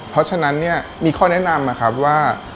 เพราะฉะนั้นมีข้อแนะนำว่า